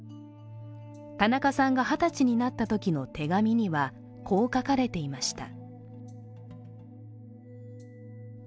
田中さんが二十歳になったときの手紙にはこう書かれていました。